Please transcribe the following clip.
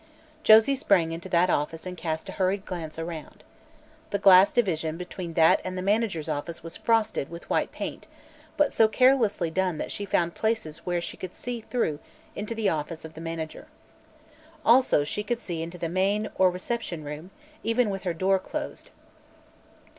Josie sprang into that office and cast a hurried glance around. The glass division between that and the manager's office was "frosted" with white paint, but so carelessly done that she found places where she could see through into the office of the manager. Also she could see into the main, or reception room, even with her door closed.